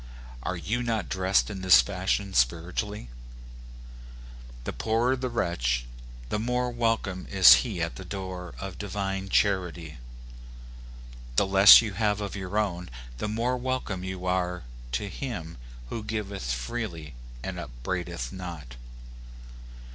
Are you not dressed in this fashion spiritually? The poorer the wretch, the more welcome is he at the door of divine charity. The less you have of your own, the more welcome you are to him who giveth freely and upbraideth not.